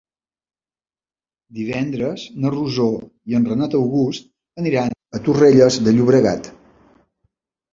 Divendres na Rosó i en Renat August aniran a Torrelles de Llobregat.